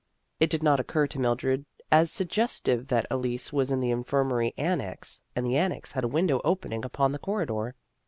It did not occur to Mildred as suggestive that Elise was in the infirmary annex, and the annex had a window opening upon the corridor.